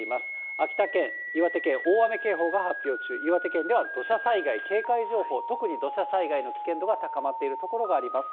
秋田県、岩手県、大雨警報が発表中、岩手県では土砂災害警戒情報、特に土砂災害の危険度が高まっている所があります。